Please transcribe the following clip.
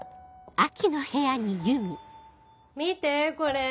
見てこれ！